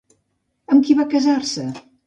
Amb qui va casar-se?